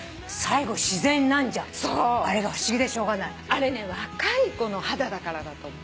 あれね若い子の肌だからだと思う。